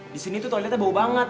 di sini tuh toiletnya bau banget